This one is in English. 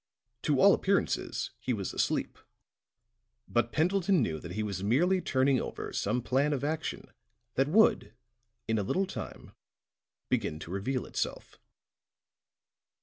To all appearances he was asleep; but Pendleton knew that he was merely turning over some plan of action that would, in a little time, begin to reveal itself.